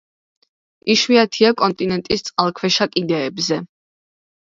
იშვიათია კონტინენტის წყალქვეშა კიდეებზე.